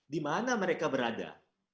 dimana mereka berada